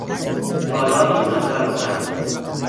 تالاری مملو از مردم